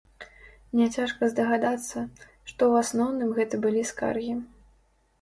Няцяжка здагадацца, што ў асноўным гэта былі скаргі.